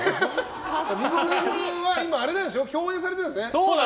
水沢君は共演されているんですよね。